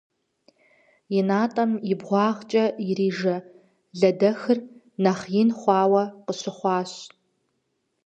И натӀэм и бгъуагъкӀэ ирижэ лэдэхыр нэхъ ин хъуауэ къыщыхъуащ.